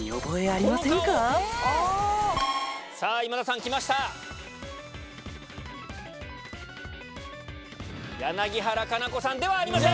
ピンポン柳原可奈子さんではありません。